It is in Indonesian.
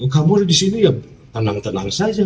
kamu ada di sini ya tenang tenang saja